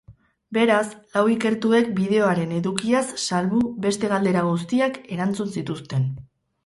Beraz, lau ikertuek bideoaren edukiaz salbu beste galdera guztiak erantzun zituzten.